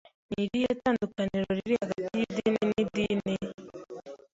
Ni irihe tandukaniro riri hagati y'idini n'idini?